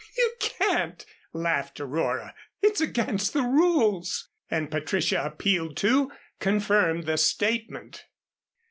"You can't," laughed Aurora. "It's against the rules." And Patricia appealed to, confirmed the statement.